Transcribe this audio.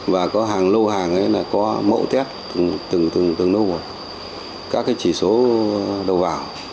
và có hàng lô hàng có mẫu test từng nô bộ các chỉ số đầu vào